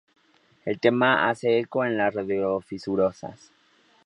El tema hace eco en las radiodifusoras.